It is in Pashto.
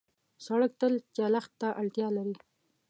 سړک تل چلښت ته اړتیا لري.